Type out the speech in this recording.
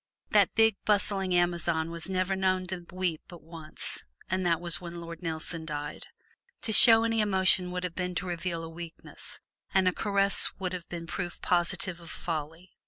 This big, bustling Amazon was never known to weep but once, and that was when Lord Nelson died. To show any emotion would have been to reveal a weakness, and a caress would have been proof positive of folly.